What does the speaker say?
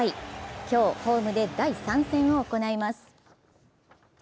今日、ホームで第３戦を行います。